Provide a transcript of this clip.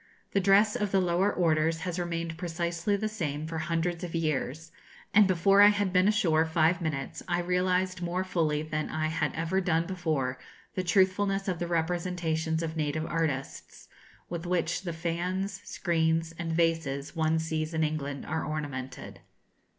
The dress of the lower orders has remained precisely the same for hundreds of years; and before I had been ashore five minutes I realised more fully than I had ever done before the truthfulness of the representations of native artists, with which the fans, screens, and vases one sees in England are ornamented.